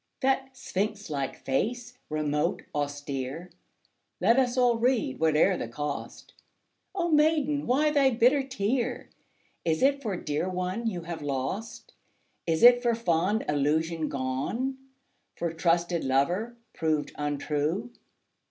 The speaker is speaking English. That sphinx like face, remote, austere, Let us all read, whate'er the cost: O Maiden! why that bitter tear? Is it for dear one you have lost? Is it for fond illusion gone? For trusted lover proved untrue?